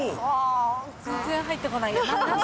全然入ってこない。